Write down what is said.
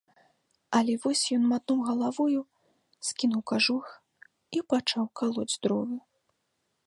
Але вось ён матнуў галавою, скінуў кажух і пачаў калоць дровы.